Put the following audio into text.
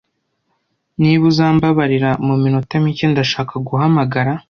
Niba uzambabarira muminota mike, ndashaka guhamagara.